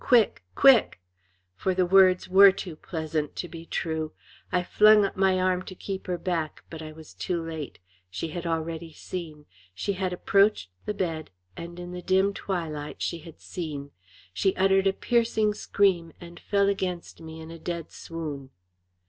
Quick! Quick!" For the words were too pleasant to be true. I flung up my arm to keep her back. But I was too late. She had already seen. She had approached the bed, and in the dim twilight she had seen. She uttered a piercing scream, and fell against me in a dead swoon.